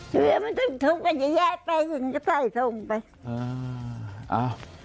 เฮือมันเห็นตุ๊กไปแย่ไปอย่างงั้นซ่อยตรงไป